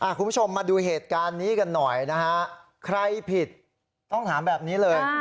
คุณผู้ชมมาดูเหตุการณ์นี้กันหน่อยนะฮะใครผิดต้องถามแบบนี้เลย